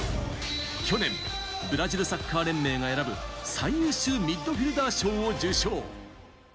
去年、ブラジルサッカー連盟が選ぶ最優秀ミッドフィルダー賞を受賞。